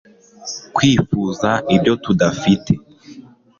kwifuza ibyo tudafite